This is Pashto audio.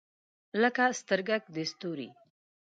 لکه سترګګ د ستوری